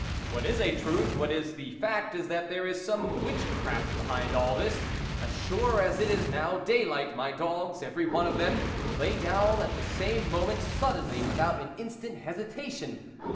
What is a truth, what is the fact, is that there is some witchcraft behind all this. As sure as it is now day light, my dogs, every one of them, lay down at the same moment, suddenly, without an instant hesitation.